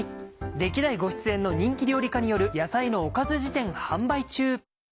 歴代ご出演の人気料理家による『野菜のおかず事典』販売中！